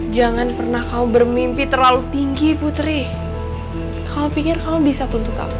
jangan pernah kau bermimpi terlalu tinggi putri kau pikir kamu bisa tuntut aku